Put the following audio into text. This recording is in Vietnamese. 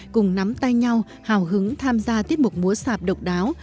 cùng nắm tay nhau hào hứng tham gia tiết mục múa sạp độc đáo